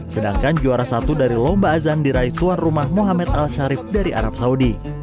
sedangkan juara satu dari lomba azan diraih tuan rumah mohamed al sharif dari arab saudi